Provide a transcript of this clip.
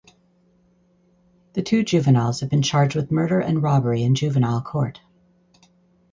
The two juveniles have been charged with murder and robbery in juvenile court.